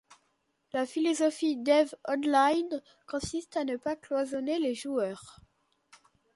La philosophie d'EvE Online consiste à ne pas cloisonner les joueurs.